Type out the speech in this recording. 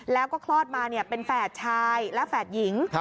แล้วก็คลอดมาเป็นแฝดชายและแฝดหญิง